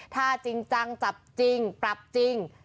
ถ้าจริงจังจับจริงปรับจริง